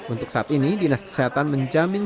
untuk saat ini dinas kesehatan menjamin